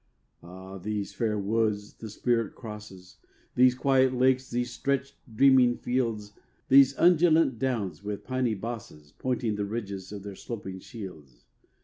Ah, these fair woods the spirit crosses, These quiet lakes, these stretched dreaming fields, These undulate downs with piny bosses Pointing the ridges of their sloping shields.